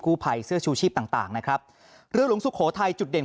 กู้ภัยเสื้อชูชีพต่างนะครับแล้วลุงศุโขไทยจุดเด่ง